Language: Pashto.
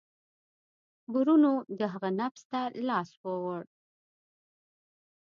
برونو د هغه نبض ته لاس ووړ.